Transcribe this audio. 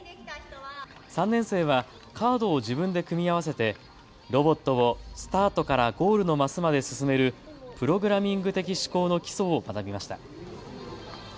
３年生はカードを自分で組み合わせてロボットをスタートからゴールのマスまで進めるプログラミング的思考の基礎を学びました。